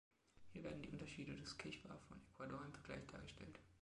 Hier werden die Unterschiede des Kichwa von Ecuador im Vergleich dargestellt.